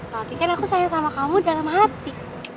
tapi kan aku sayang sama kamu dalam hati